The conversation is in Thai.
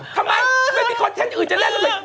ทำไมไม่มีคอนเทนต์อื่นจะเล่นอะไร